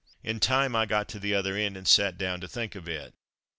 In time I got to the other end, and sat down to think a bit.